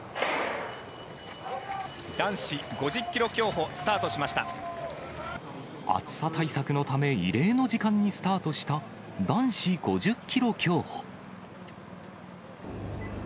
男子５０キロ競歩スタートし暑さ対策のため、異例の時間にスタートした男子５０キロ競歩。